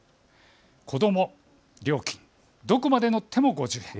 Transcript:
子ども料金どこまで乗っても５０円。